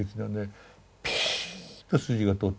ピーッと筋が通ってる。